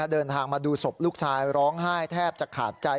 เดินทางมาดูศพลูกชายร้องไห้แทบจะขาดใจ